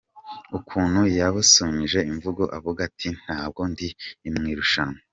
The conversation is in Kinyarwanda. Ukuntu yabusanyije imvugo avuga ati ‘Ntabwo ndi mu irushanwa’.”